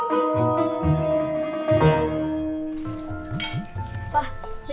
pak sarapannya dulu ya